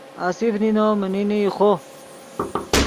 آصف نینو من نینے ایخو